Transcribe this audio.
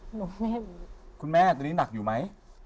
หนูไม่รู้คุณแม่ตัวนี้หนักอยู่ไหม